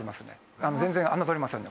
全然侮れませんね。